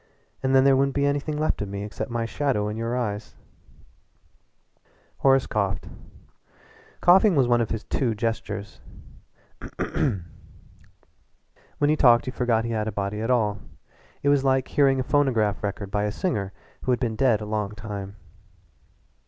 And then there wouldn't be anything left of me except my shadow in your eyes." Horace coughed. Coughing was one of his two gestures. When he talked you forgot he had a body at all. It was like hearing a phonograph record by a singer who had been dead a long time.